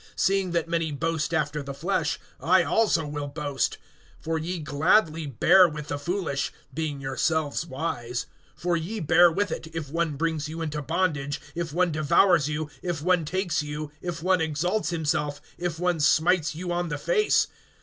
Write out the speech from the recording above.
(18)Seeing that many boast after the flesh, I also will boast. (19)For ye gladly bear with the foolish, being yourselves wise. (20)For ye bear with it, if one brings you into bondage, if one devours you, if one takes you, if one exalts himself, if one smites you on the face.